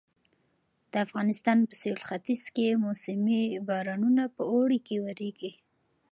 د افغانستان په سویل ختیځ کې مونسوني بارانونه په اوړي کې ورېږي.